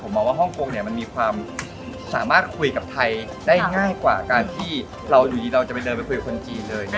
มองว่าฮ่องกงมันมีความสามารถคุยกับไทยได้ง่ายกว่าการที่เราอยู่ดีเราจะไปเดินไปคุยกับคนจีนเลย